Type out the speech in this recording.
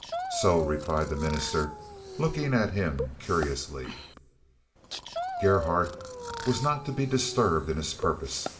"So," replied the minister, looking at him curiously. Gerhardt was not to be disturbed in his purpose.